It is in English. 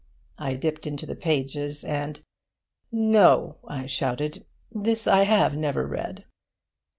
I dipped into the pages and 'No,' I shouted, 'this I have never read.